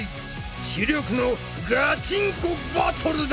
知力のガチンコバトルだ！